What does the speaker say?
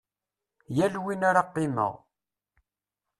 Yal win ara qqimeɣ.